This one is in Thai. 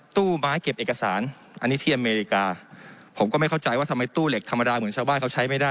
ตู้ไม้เก็บเอกสารอันนี้ที่อเมริกาผมก็ไม่เข้าใจว่าทำไมตู้เหล็กธรรมดาเหมือนชาวบ้านเขาใช้ไม่ได้